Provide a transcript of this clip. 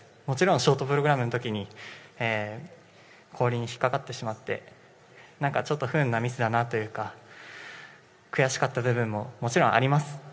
もちろんショートプログラムのときに、氷に引っ掛かってしまって、何かちょっと不運なミスだなというか悔しかった部分ももちろんあります。